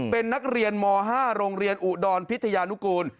เป็นนักเรียนม๕โรงเรียนอุดรพิทยานุกูล